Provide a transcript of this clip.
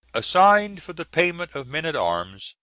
Assigned for the payment of men at arms